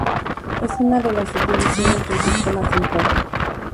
Es una de las subdivisiones del Sistema Central.